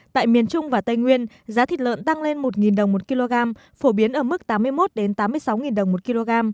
tại miền trung và tây nguyên giá thịt lợn tăng lên một đồng một kg phổ biến ở mức tám mươi một tám mươi sáu đồng một kg